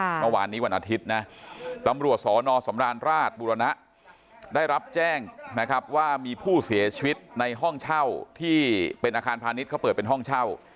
เมื่อวานนี้วันอาทิตย์นะตำรวจสอนอสำราญราชบุรณะได้รับแจ้งนะครับว่ามีผู้เสียชีวิตในห้องเช่าที่เป็นอาคารพาณิชย์เขาเปิดเป็นห้องเช่า